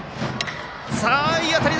いい当たり！